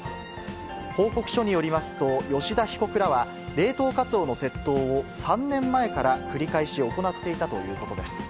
報告書によりますと、吉田被告らは、冷凍カツオの窃盗を３年前から繰り返し行っていたということです。